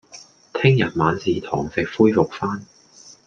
聽日晚市堂食恢復返